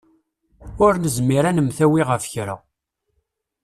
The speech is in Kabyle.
Ur nezmir ad nemtawi ɣef kra.